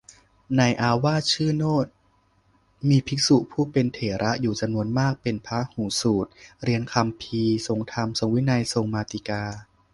ในอาวาสชื่อโน้น มีภิกษุผู้เป็นเถระอยู่จำนวนมากเป็นพหูสูตร เรียนคำภีร์ ทรงธรรม ทรงวินัย ทรงมาติกา